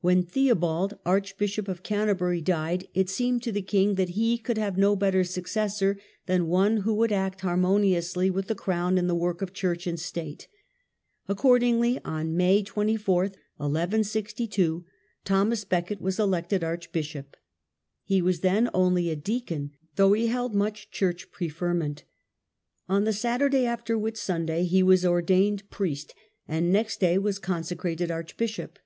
When Theobald, Archbishop of Canterbury, died, it seemed to the king that he could have no better successor than one who would act harmoniously with ^^^y^^^ the crown in the work of church and state. Archbishop, Accordingly, on May 24, 1162, Thomas "' Becket was elected archbishop. He was then only a deacon, though he held much church preferment On the Saturday after Whitsunday he was ordained priest, and next day was consecrated archbishop.